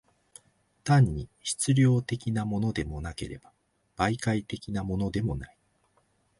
単に質料的のものでもなければ、媒介的のものでもない。